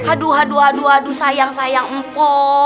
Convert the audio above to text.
aduh aduh aduh aduh sayang sayang empo